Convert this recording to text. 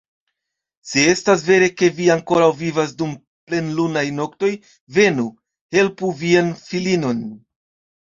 Se estas vere ke vi ankoraŭ vivas dum plenlunaj noktoj, venu, helpu vian filinon!